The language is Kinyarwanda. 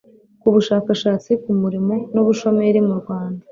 ku bushakashatsi ku murimo n'ubushomeri mu Rwanda